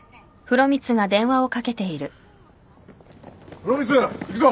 風呂光行くぞ。